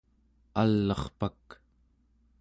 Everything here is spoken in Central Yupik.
al'erpak